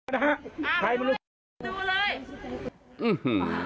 ดูเลย